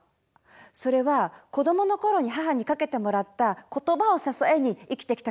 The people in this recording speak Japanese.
それは子どものころに母にかけてもらった「言葉」を支えに生きてきたからなんです。